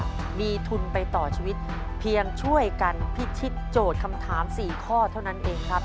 มีทุนไปต่อชีวิตเพียงช่วยกันพิชิตโจทย์คำถาม๔ข้อเท่านั้นเองครับ